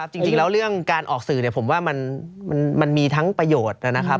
จริงแล้วเรื่องการออกสื่อผมว่ามันมีทั้งประโยชน์นะครับ